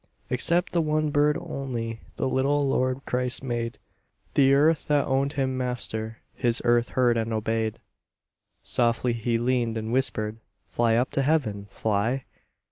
Except the one bird only The little Lord Christ made; The earth that owned Him Master, His earth heard and obeyed. Softly He leaned and whispered: "Fly up to Heaven! Fly!"